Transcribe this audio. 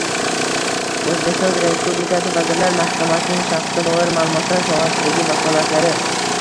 O‘zbekiston Respublikasi Vazirlar Mahkamasining shaxsga doir ma’lumotlar sohasidagi vakolatlari